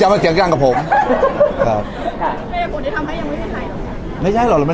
ฮาที่มันไหนไหนเลย